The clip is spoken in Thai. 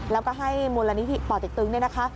แล้วก็ให้มูลณิธิปติ๊กตึ๊งด้วยนะคะ